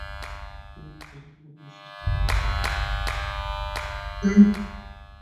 এমন সম্পূর্ণ সৃষ্টিটাকে এতবড়ো নিরর্থকভাবে উলটপালট করে দিতে পারলে কে।